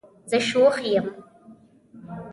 زه خوش یم